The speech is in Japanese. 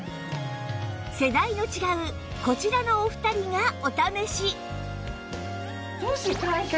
世代の違うこちらのお二人がお試し